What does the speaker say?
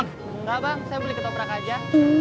enggak bang saya beli ketobrak aja